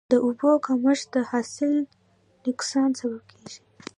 د اوبو کمښت د حاصل نقصان سبب کېږي.